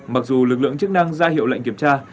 mặc dù lực lượng chức năng ra hiệu lệnh kiểm tra